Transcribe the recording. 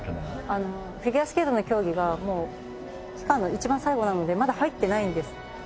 あのフィギュアスケートの競技がもう期間の一番最後なのでまだ入ってないんです。